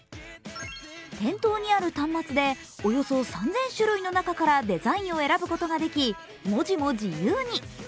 店頭にある端末でおよそ３０００種類の中からデザインを選ぶことができ文字も自由に。